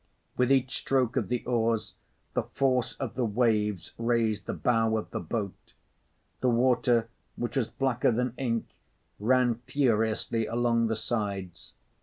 With each stroke of the oars, the force of the waves raised the bow of the boat. The water, which was blacker than ink, ran furiously along the sides.